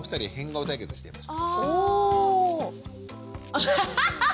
アハハハッ！